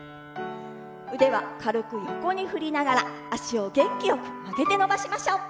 腕は軽く横に振りながら脚を元気よく上げて伸ばしましょう。